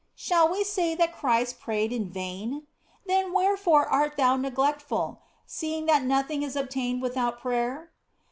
Shall we say that Christ prayed in vain ? Then wherefore art thou neglectful, seeing that nothing is obtained without prayer